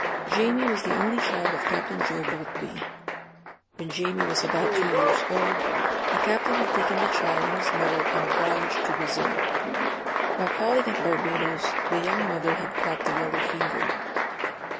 Jamie was the only child of Captain Joe Boultbee. When Jamie was about two years old, the Captain had taken the child and his mother on a voyage to Brazil. While calling at Barbadoes the young mother had caught the yellow fever.